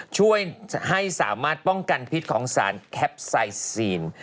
ช่วยให้สามารถป้องกันพิษของสารแคปไซซีน